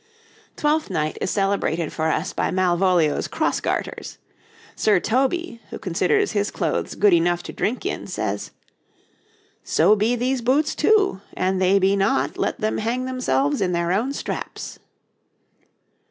'Twelfth Night' is celebrated for us by Malvolio's cross garters. Sir Toby, who considers his clothes good enough to drink in, says: 'So be these boots too: an they be not, let them hang themselves in their own straps.'